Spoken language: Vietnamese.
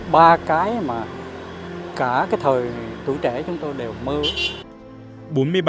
ba cái mà cả cái thời tuổi trẻ chúng tôi đều mơ